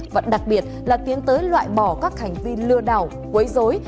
và đặc biệt là tiến tới loại bỏ các hành vi lừa đảo quấy dối